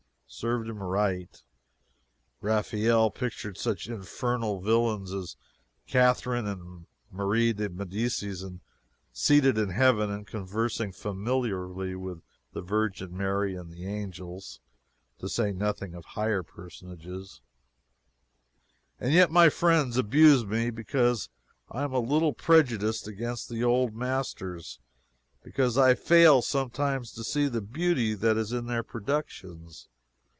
Served him right. Raphael pictured such infernal villains as Catherine and Marie de Medicis seated in heaven and conversing familiarly with the Virgin Mary and the angels, (to say nothing of higher personages,) and yet my friends abuse me because I am a little prejudiced against the old masters because I fail sometimes to see the beauty that is in their productions.